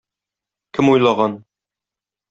Кем уйлаган.